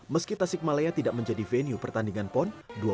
meski tasikmalaya tidak menjadi venue pertandingan pon